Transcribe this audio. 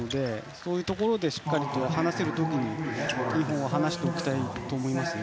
そういうところでしっかりと離せる時に日本は離しておきたいですね。